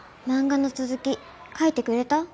漫画の続き描いてくれた？